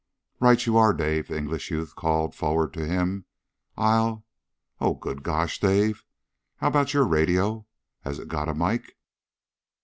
"Right you are, Dave!" the English youth called forward to him. "I'll Oh, good gosh! Dave! How about your radio? Has it got a mike?"